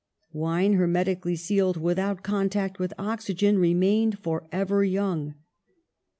Wine hermetically sealed, without contact with oxygen, remained forever young.